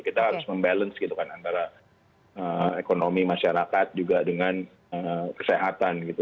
kita harus membalance gitu kan antara ekonomi masyarakat juga dengan kesehatan gitu